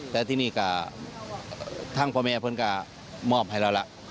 แล้วที่นี่ก็ทั้งพ่อแม่เพื่อนกันมอบให้เราแล้ว